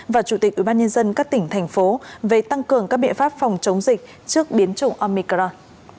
và chủ tịch ủy ban nhân dân các tỉnh thành phố về tăng cường các biện pháp phòng chống dịch trước biến chủng omicron